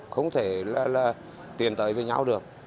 không thể là tiền tới với nhau được